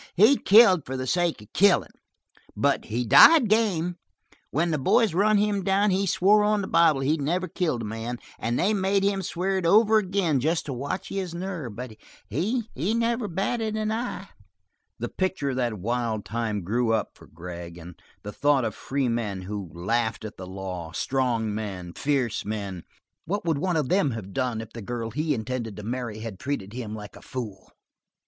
He killed for the sake of killin', but he died game. When the boys run him down he swore on the bible that he's never killed a man, and they made him swear it over again just to watch his nerve; but he never batted an eye." The picture of that wild time grew up for Vic Gregg, and the thought of free men who laughed at the law, strong men, fierce men. What would one of these have done if the girl he intended to marry had treated him like a foil?